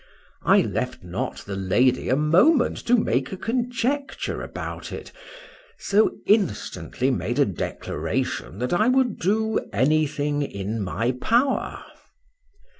—I left not the lady a moment to make a conjecture about it—so instantly made a declaration that I would do anything in my power.